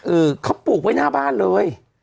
เออเขาปลูกไว้หน้าบ้านเลย